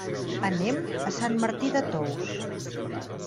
Anem a Sant Martí de Tous.